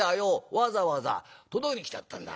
わざわざ届けに来てやったんだ。